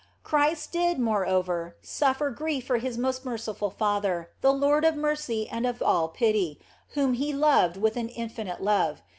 Christ did, moreover, suffer grief for His most merciful Father, the Lord of mercy and of all pity, whom He loved with an infinite love.